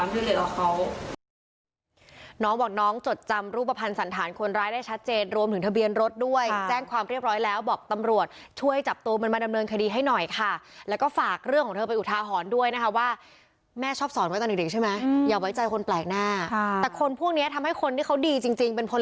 น้องบอกน้องจดจำรูปภัณฑ์สันฐานคนร้ายได้ชัดเจนรวมถึงทะเบียนรถด้วยแจ้งความเรียบร้อยแล้วบอกตำรวจช่วยจับตัวมันมาดำเนินคดีให้หน่อยค่ะแล้วก็ฝากเรื่องของเธอเป็นอุทาหรณ์ด้วยนะคะว่าแม่ชอบสอนไว้ตอนเด็กใช่ไหมอย่าไว้ใจคนแปลกหน้าแต่คนพวกนี้ทำให้คนที่เขาดีจริงเป็นพล